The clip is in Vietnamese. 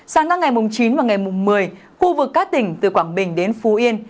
sáng các ngày mùng chín và ngày mùng một mươi khu vực các tỉnh từ quảng bình đến phú yên